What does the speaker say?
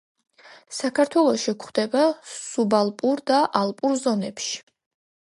საქართველოში გვხვდება სუბალპურ და ალპურ ზონებში.